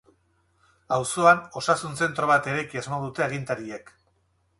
Auzoan osasun zentro bat eraiki asmo dute agintariek.